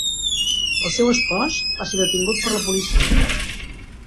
El seu espòs va ser detingut per la policia.